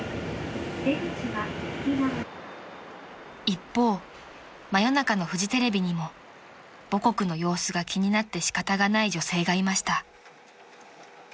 ［一方真夜中のフジテレビにも母国の様子が気になってしかたがない女性がいました］